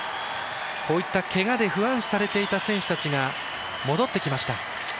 こういったけがで不安視された選手たちが戻ってきました。